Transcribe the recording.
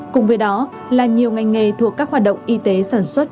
cùng với đó là nhiều ngành nghề thuộc các hoạt động y tế sản xuất